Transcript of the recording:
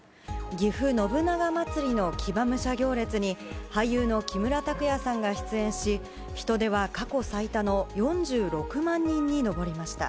ぎふ信長まつりの騎馬武者行列に、俳優の木村拓哉さんが出演し、人出は過去最多の４６万人に上りました。